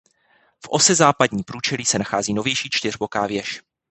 V ose západní průčelí se nachází novější čtyřboká věž.